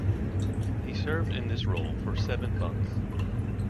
He served in this role for seven months.